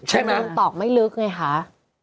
แต่ว่าเตราะไม่ลึกไงคะ